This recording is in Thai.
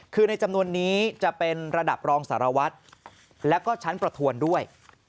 คือในจำนวนนี้จะเป็นระดับรองสารวัตรแล้วก็ชั้นประทวนด้วย